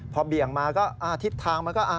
พอเบี่ยงมาก็ทิศทางมันก็